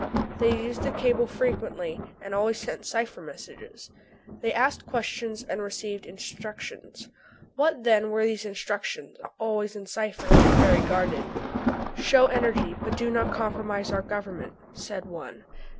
They used the cable frequently and always sent cipher messages. They asked questions and received instructions. What, then, were these instructions, always in cipher and very guarded? "Show energy, but do not compromise our Government," said one.